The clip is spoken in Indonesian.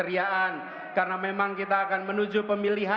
yang dari jawa tengah